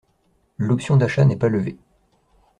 L'option d'achat n'est pas levée.